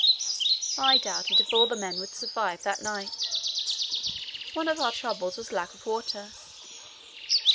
I doubted if all the men would survive that night. One of our troubles was lack of water.